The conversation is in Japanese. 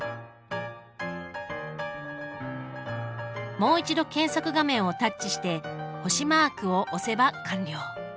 もう一度検索画面をタッチして星マークを押せば完了。